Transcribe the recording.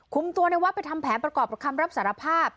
คุมตัวในวัดไปทำแผนประกอบคำรับสารภาพ